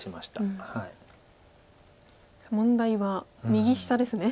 問題は右下ですね。